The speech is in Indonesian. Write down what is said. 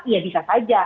ya bisa saja